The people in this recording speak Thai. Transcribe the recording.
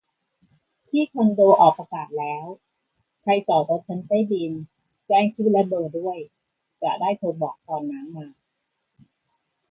ที่คอนโดออกประกาศแล้ว ใครจอดรถชั้นใต้ดิน แจ้งชื่อและเบอร์ด้วย จะได้โทรบอกตอนน้ำมา